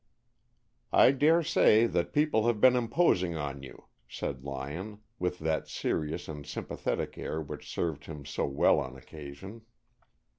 "I dare say that people have been imposing on you," said Lyon, with that serious and sympathetic air which served him so well on occasion.